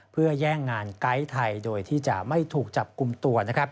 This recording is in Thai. เพื่อแย่งงานไกด์ไทยโดยที่จะไม่ถูกจับกลุ่มตัว